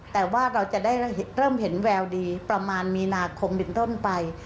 แต่ว่าเราจะได้เริ่มเห็นแววดีประมาณมีนาคมเป็นต้นไป